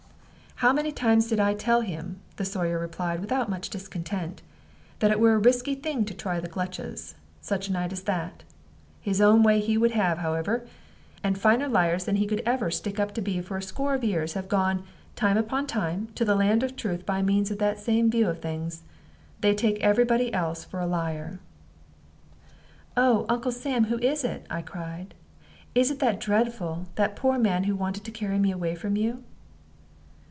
"How many times did I tell him," the Sawyer replied, without much discontent, "that it were a risky thing to try the gulches, such a night as that? His own way he would have, however; and finer liars than he could ever stick up to be for a score of years have gone, time upon time, to the land of truth by means of that same view of things. They take every body else for a liar." "Oh, Uncle Sam, who is it?" I cried. "Is it that dreadful that poor man who wanted to carry me away from you?"